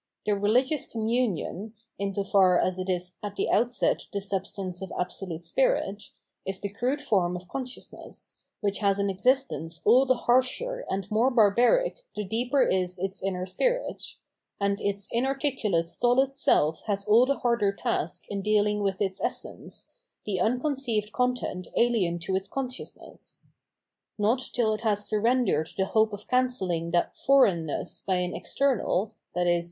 The religious communion, in so far as it is at the outset the substance of Absolute Spirit, is the crude form of con sciousness, which has an existence all the harsher and more barbaric the deeper is its inner spirit ; and its inarticulate stolid self has all the harder task in deahng with its essence, the unconceived content alien to its consciousness. Not till it has surrendered the hope of cancelhng that foreignness by an external, i.e.